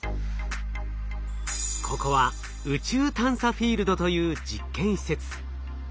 ここは宇宙探査フィールドという実験施設。